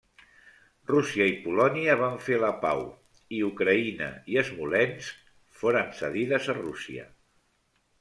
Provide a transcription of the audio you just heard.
Rússia i Polònia van fer la pau, i Ucraïna i Smolensk foren cedides a Rússia.